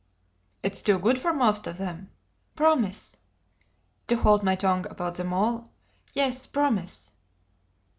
"It is too good for most of them." "Promise!" "To hold my tongue about them all?" "Yes promise!"